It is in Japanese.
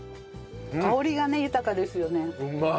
香りがね豊かですよね。